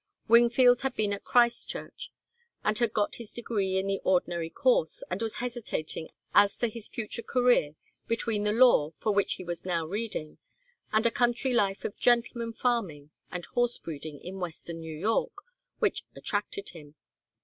Wingfield had been at Christ Church, had got his degree in the ordinary course, and was hesitating as to his future career between the law, for which he was now reading, and a country life of gentleman farming and horse breeding in western New York, which attracted him.